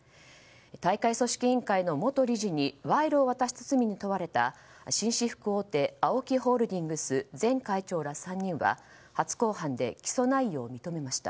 大会組織委員会の元理事に賄賂を渡した罪に問われた紳士服大手ＡＯＫＩホールディングス前会長ら３人は初公判で起訴内容を認めました。